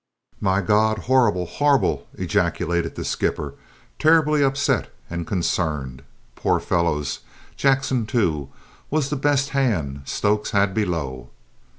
"My God! horrible, horrible!" ejaculated the skipper, terribly upset and concerned. "Poor fellows; Jackson, too, was the best hand Stokes had below!"